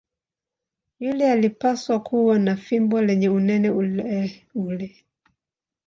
Yule alipaswa kuwa na fimbo lenye unene uleule.